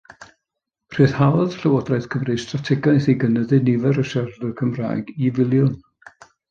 Rhyddhaodd Llywodraeth Cymru strategaeth i gynyddu nifer y siaradwyr Cymraeg i filiwn.